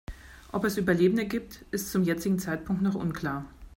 Ob es Überlebende gibt, ist zum jetzigen Zeitpunkt noch unklar.